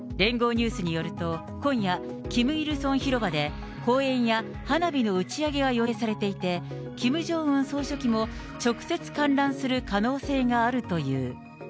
ニュースによると、今夜、キム・イルソン広場で公演や花火の打ち上げが予定されていて、キム・ジョンウン総書記も直接観覧する可能性があるという。